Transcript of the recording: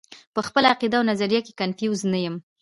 پۀ خپله عقيده او نظريه کښې کنفيوز نۀ يم -